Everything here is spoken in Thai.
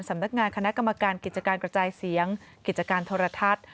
สำนักงานคณะกรรมการกิจการกระจายเสียงกิจการโทรทัศน์